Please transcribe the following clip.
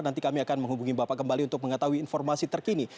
nanti kami akan menghubungi bapak kembali untuk mengetahui informasi terkini